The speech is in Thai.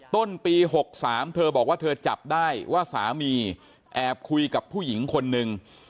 ต้นปี๖๓เธอบอกว่าเธอจับได้ว่าสามีแอบคุยกับผู้หญิงคนนึง